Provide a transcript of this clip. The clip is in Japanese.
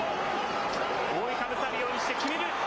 覆いかぶさるようにしてきめる。